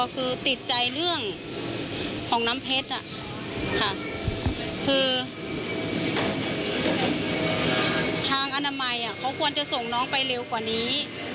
คือทางอนามัยเขาควรจะส่งน้องไปเร็วกว่านี้